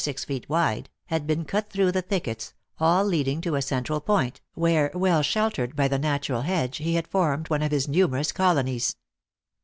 six feet wide, had been cut through the thickets, all leading to a central point, where, well sheltered by the natural hedge, he had formed one of his numerous colonies.